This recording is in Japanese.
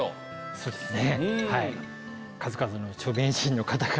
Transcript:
そうですね。